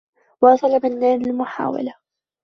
واصل منّاد المحاولة.